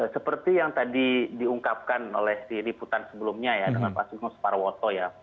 seperti yang tadi diungkapkan oleh di liputan sebelumnya ya dengan pak sukung sparwoso ya